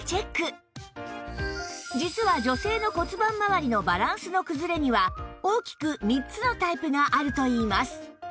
実は女性の骨盤まわりのバランスの崩れには大きく３つのタイプがあるといいます